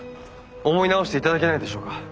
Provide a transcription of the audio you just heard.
思い直していただけないでしょうか？